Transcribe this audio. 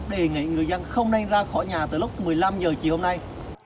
đề nghị người dân không nên ra khỏi nhà từ lúc một mươi năm h chiều hôm nay